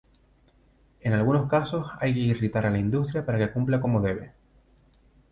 En algunos casos, hay que irritar a la industria para que cumpla como debe.